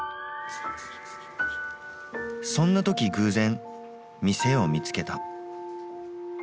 そんな時偶然店を見つけた。